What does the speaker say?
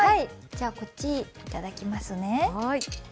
じゃあ、こっちをいただきますね。